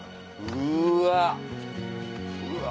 うわ！